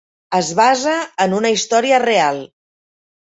Es basa en una història real.